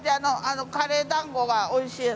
カレーだんごがおいしいです。